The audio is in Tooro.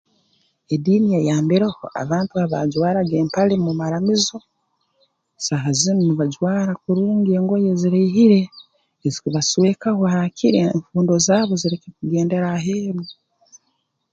Ediini eyambireho abantu abajwaraga empali mu maramizo saaha zinu nibajwara kurungi engoye eziraihire ezikubaswekaho haakire enfundo zaabo zireke kugendera aheeru